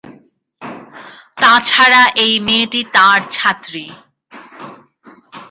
তা ছাড়া এই মেয়েটি তাঁর ছাত্রী।